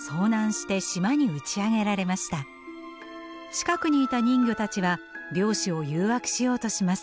近くにいた人魚たちは漁師を誘惑しようとします。